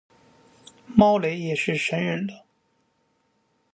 猫雷也是神人了